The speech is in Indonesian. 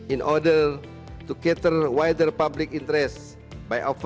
untuk mencari kepentingan publik yang lebih luas